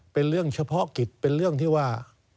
เป็นเรื่องเฉพาะกิจเป็นเรื่องที่ว่า